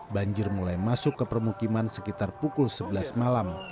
banjir mulai masuk ke permukiman sekitar pukul sebelas malam